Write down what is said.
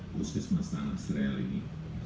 puskesmas tanah sial ini